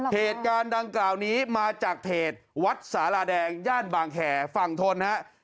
เพจการดังกล่าวนี้มาจากเพจวัดสาลาแดงญาติบางแข่ฝั่งทน